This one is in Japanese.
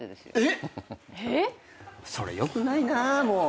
えっ⁉それよくないなもう。